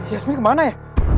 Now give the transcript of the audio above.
yasmin kemana ya